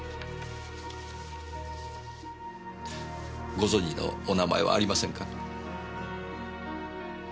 ご存じのお名前はありませんか？